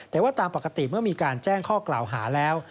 แต่ว่าตามปกติเมื่อมีการแจ้งข้อกล่าวหาแล้ว